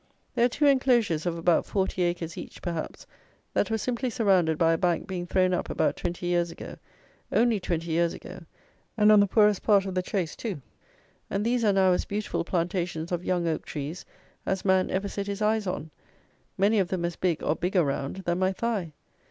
There are two enclosures of about 40 acres each, perhaps, that were simply surrounded by a bank being thrown up about twenty years ago, only twenty years ago, and on the poorest part of the Chase, too; and these are now as beautiful plantations of young oak trees as man ever set his eyes on; many of them as big or bigger round than my thigh!